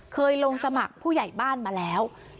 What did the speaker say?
เคยลงสมัครผู้ใหญ่บ้านมาแล้ว